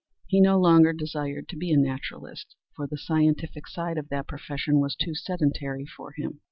He no longer desired to be a naturalist, for the scientific side of that profession was too sedentary for him.